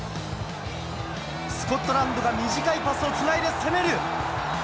スコットランドが短いパスをつないで攻める。